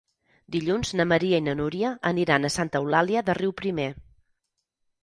Dilluns na Maria i na Núria aniran a Santa Eulàlia de Riuprimer.